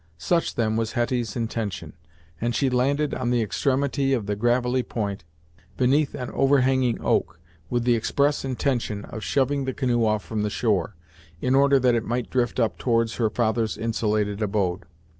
Such then was Hetty's intention, and she landed on the extremity of the gravelly point, beneath an overhanging oak, with the express intention of shoving the canoe off from the shore, in order that it might drift up towards her father's insulated abode.